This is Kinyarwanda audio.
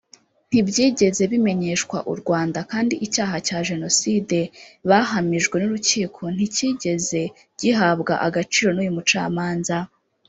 ntibyigeze bimenyeshwa u Rwanda kandi icyaha cya Jenoside bahamijwe n’urukiko nticyigeze gihabwa agaciro n’uyu mucamanza